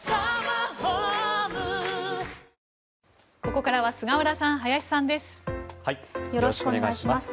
ここからは菅原さん、林さんです。